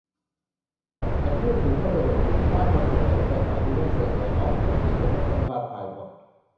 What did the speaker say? แต่พูดถึงก็สะดวกดี พลาดคอนเสิร์ตไหน ก็ไปหาดูได้ ส่วนใหญ่อ๊อบกะพีจะไม่ค่อยพลาด ถ่ายหมด